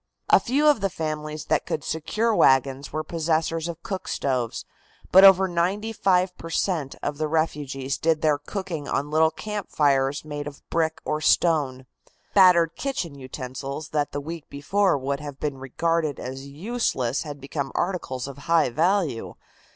A few of the families that could secure wagons were possessors of cook stoves, but over 95 per cent. of the refugees did their cooking on little campfires made of brick or stone. Battered kitchen utensils that the week before would have been regarded as useless had become articles of high value.